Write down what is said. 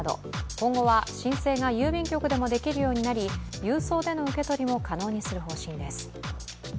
今後は申請が郵便局でもできるようになり郵送での受け取りも可能にする方針です。